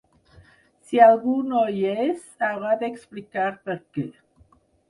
Si algú no hi és, haurà d’explicar perquè